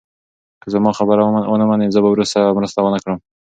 که هغه زما خبره ونه مني، زه به ورسره مرسته ونه کړم.